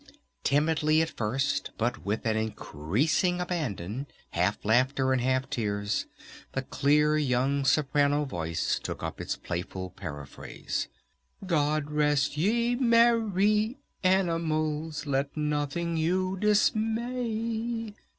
Timidly at first but with an increasing abandon, half laughter and half tears, the clear young soprano voice took up its playful paraphrase, "God rest you merrie animals! Let nothing you dismay!"